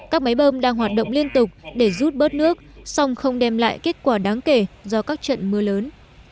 các máy bơm đang hoạt động liên tục để rút bớt nước song không đem lại kết quả đáng kể do các trận mưa lớn